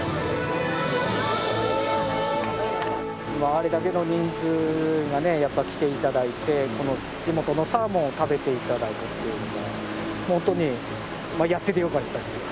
あれだけの人数がねやっぱ来て頂いてこの地元のサーモンを食べて頂くっていうのも本当にやっててよかったですよ。